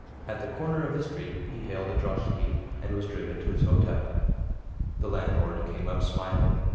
At the corner of the street he hailed a droshky and was driven to his hotel. The landlord came up smiling.